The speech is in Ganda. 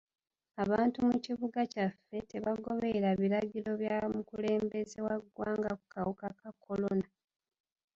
Abantu mu kibuga kyaffe tebagoberera biragiro bya mukulembeze wa ggwanga ku kawuka ka kolona.